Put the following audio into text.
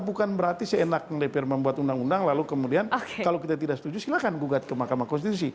bukan berarti seenak dpr membuat undang undang lalu kemudian kalau kita tidak setuju silahkan gugat ke mahkamah konstitusi